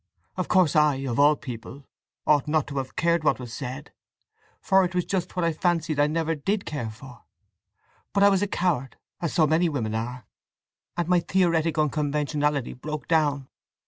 Of course I, of all people, ought not to have cared what was said, for it was just what I fancied I never did care for. But I was a coward—as so many women are—and my theoretic unconventionality broke down.